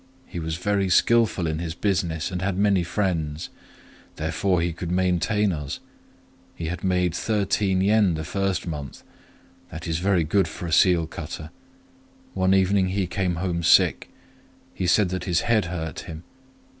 He was very skillful in his business, and had many friends: therefore he could maintain us. He made thirteen yen the first month;—that is very good for a seal cutter. One evening he came home sick: he said that his head hurt him.